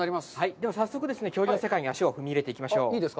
では、早速恐竜の世界に足を踏み入れていきましょう。